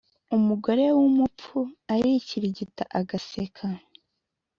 Umugore w’umupfu arikirigita agaseka.